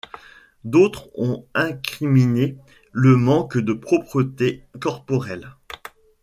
D'autres ont incriminé le manque de propreté corporelle.